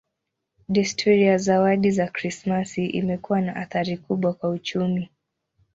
Desturi ya zawadi za Krismasi imekuwa na athari kubwa kwa uchumi.